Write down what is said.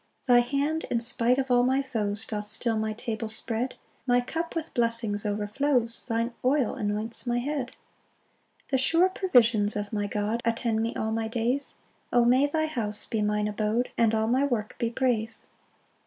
4 Thy hand, in spite of all my foes, Doth still my table spread; My cup with blessings overflows, Thine oil anoints my head. 5 The sure provisions of my God Attend me all my days; O may thy house be mine abode, And all my work be praise!